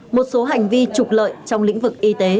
một số hành vi trục lợi trong lĩnh vực y tế